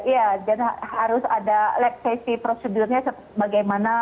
ya dan harus ada lab safety procedure nya bagaimana